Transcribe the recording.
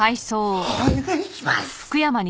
お願いします！